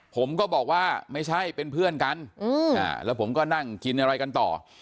ผมก็บอกว่าไม่ใช่เป็นเพื่อนกันแล้วผมก็นั่งกินอะไรกันต่อ